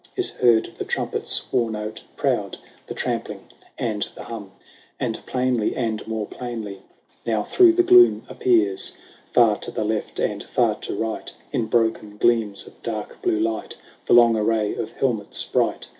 Is heard the trumpet's war note proud. The trampling, and the hum. And plainly and more plainly Now through the gloom appears. 54 LAYS OF ANCIENT ROME. Far to left and far to right. In broken gleams of dark blue light, The long array of helmets bright.